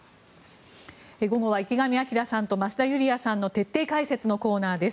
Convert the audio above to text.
午後は池上彰さんと増田ユリヤさんの徹底解説のコーナーです。